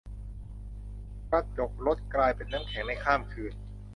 กระจกรถกลายเป็นน้ำแข็งในข้ามคืน